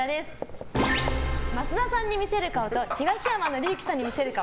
増田さんに見せる顔と東山紀之さんに見せる顔